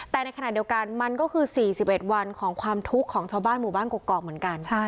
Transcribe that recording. แต่ในขณะเดียวกันมันก็คือ๔๑วันของความทุกข์ของชาวบ้านหมู่บ้านกรอกเหมือนกัน